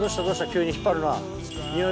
急に引っ張るなぁ。